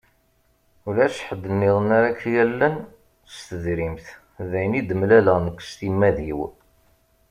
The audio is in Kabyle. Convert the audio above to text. Ulac ḥedd-nniḍen ara ak-yallen s tedrimt, d ayen i d-mmlaleɣ nekk s timmad-iw.